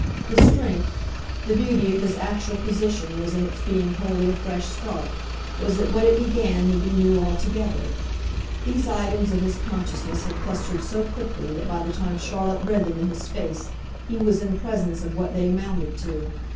The strength, the beauty of his actual position was in its being wholly a fresh start, was that what it began would be new altogether. These items of his consciousness had clustered so quickly that by the time Charlotte read them in his face he was in presence of what they amounted to.